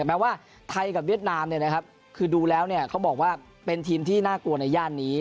แม้ว่าไทยกับเวียดนามคือดูแล้วเขาบอกว่าเป็นทีมที่น่ากลัวในย่านนี้